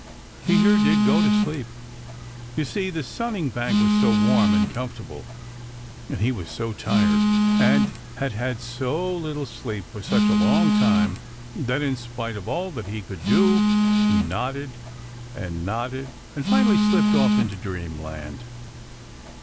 Peter did go to sleep. You see, the sunning bank was so warm and comfortable, and he was so tired and had had so little sleep for such a long time that, in spite of all he could do, he nodded and nodded and finally slipped off into dreamland.